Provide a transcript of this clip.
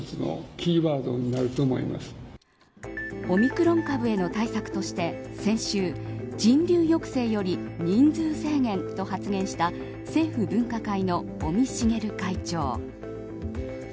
オミクロン株への対策として先週、人流抑制より人数制限と発言した政府分科会の尾身茂会長。